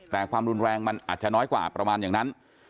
แต่ความรุนแรงมันอาจจะน้อยกว่าประมาณอย่างนั้น